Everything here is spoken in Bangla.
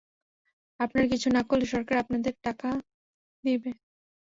আপনারা কিছু না করলে সরকার আপনাদের টাকা দিবে।